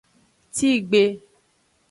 Tigbe.